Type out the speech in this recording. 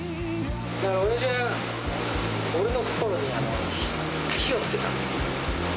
おやじが俺の心に火をつけた。